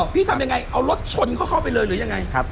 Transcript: พี่ทำยังไงเอารถชนเข้าไปเลยหรือยังไง